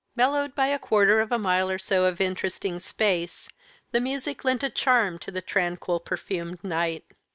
Mellowed by a quarter of a mile or so of interesting space, the music lent a charm to the tranquil, perfumed night.